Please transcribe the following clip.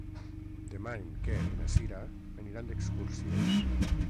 Demà en Quer i na Cira aniran d'excursió.